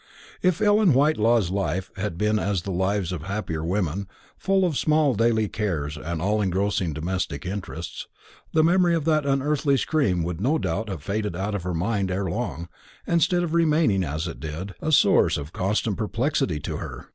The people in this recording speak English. If Ellen Whitelaw's life had been as the lives of happier women, full of small daily cares and all engrossing domestic interests, the memory of that unearthly scream would no doubt have faded out of her mind ere long, instead of remaining, as it did, a source of constant perplexity to her.